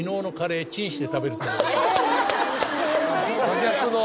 真逆の。